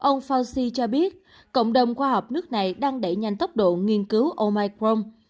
ông fauci cho biết cộng đồng khoa học nước này đang đẩy nhanh tốc độ nghiên cứu omicron